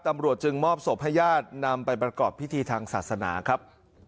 ตำรวจจึงมอบศพให้ญาตินำไปประกอบพิธีทางศาสนาครับ